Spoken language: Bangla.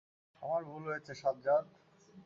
আমার ভুল হয়েছে, সাজ্জাদ।